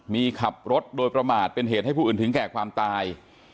มีขับรถโดยประมาทเป็นเหตุให้ผู้อื่นถึงแก่ความตาย